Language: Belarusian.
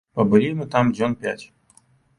Пабылі мы там дзён пяць.